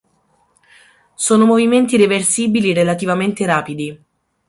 Sono movimenti reversibili relativamente rapidi.